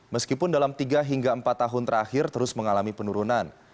meskipun dalam tiga hingga empat tahun terakhir terus mengalami penurunan